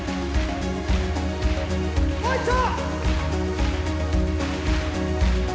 もう一丁！